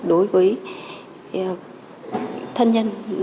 đối với thân nhân